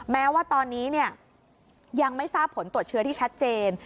แม้ว่าตอนนี้ยังไม่ทราบผลตรวจเชื้อที่ชัดเจน